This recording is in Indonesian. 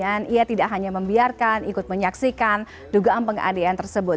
dan ia tidak hanya membiarkan ikut menyaksikan dugaan pengadian tersebut